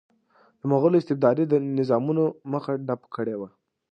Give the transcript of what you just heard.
د مغولو استبدادي نظامونو مخه ډپ کړې وه.